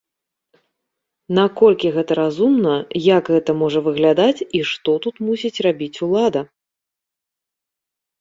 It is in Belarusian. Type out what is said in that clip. Наколькі гэта разумна, як гэта можа выглядаць і што тут мусіць рабіць улада?